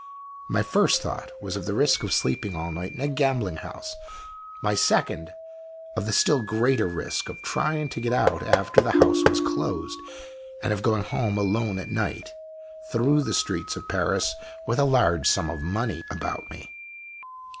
My first thought was of the risk of sleeping all night in a gambling house; my second, of the still greater risk of trying to get out after the house was closed, and of going home alone at night through the streets of Paris with a large sum of money about me.